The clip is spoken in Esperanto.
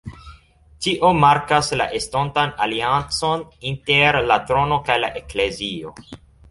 Tio markas la estontan aliancon inter la trono kaj la Eklezio.